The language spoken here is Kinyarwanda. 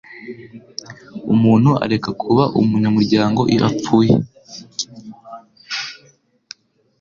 Umuntu areka kuba umunyamuryango iyo apfuye